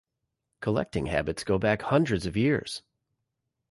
Collecting habits go back hundreds of years.